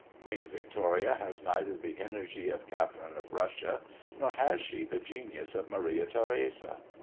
Queen Victoria has neither the energy of Catharine of Russia, nor has she the genius of Maria Theresa.